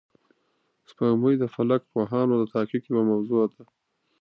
سپوږمۍ د فلک پوهانو د تحقیق یوه موضوع ده